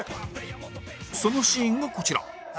そのシーンがこちら